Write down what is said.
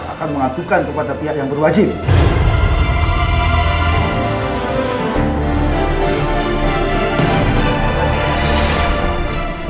akan mengajukan kepada pihak yang berwajib